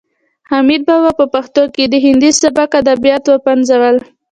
حمید بابا په پښتو کې د هندي سبک ادبیات وپنځول.